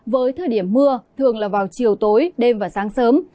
với thời điểm mưa thường là vào chiều tối đêm và sáng sớm